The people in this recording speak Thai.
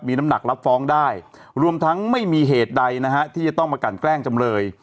มีน้ำหนักรับฟ้องได้รวมทั้งไม่มีเหตุใดนะฮะที่จะต้องมากันแกล้งจำเลย